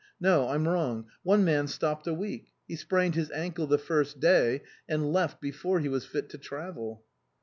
No, I'm wrong ; one man stopped a week. He sprained his ankle the first day, and left before he was fit to travel."